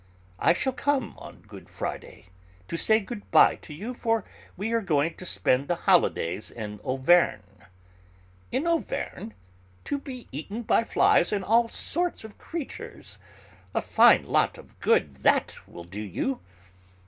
"I shall come on Good Friday to say good bye to you, for we are going to spend the holidays in Auvergne." "In Auvergne? To be eaten by fleas and all sorts of creatures! A fine lot of good that will do you!"